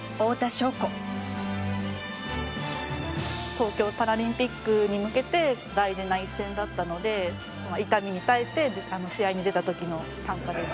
東京パラリンピックに向けて大事な一戦だったので痛みに耐えて試合に出た時の短歌です。